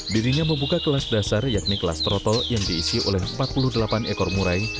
dirinya membuka kelas dasar yakni kelas trotol yang diisi oleh empat puluh delapan ekor murai